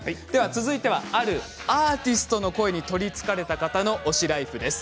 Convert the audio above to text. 続いてはあるアーティストの声に取りつかれた方の推しライフです。